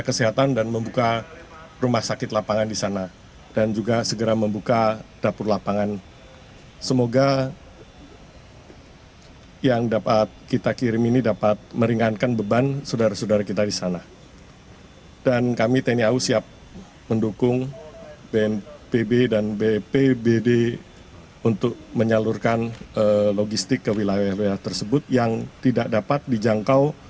kami juga mengirim beberapa tenaga